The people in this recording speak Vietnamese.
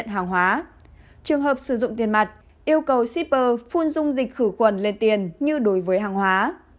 trường hợp sử dụng tiền mặt yêu cầu shipper phun dung dịch khử khuẩn lên tiền như đối với hàng hóa